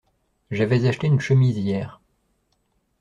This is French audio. J’avais acheté une chemise hier.